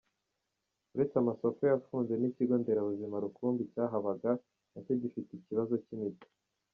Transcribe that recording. Uretse amasoko yafunze n’ikigo nderabuzima rukumbi cyahabaga nacyo gifite ikibazo cy’imiti.